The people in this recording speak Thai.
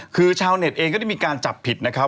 คือชาวเน็ตก็มีการจับผิดนะครับ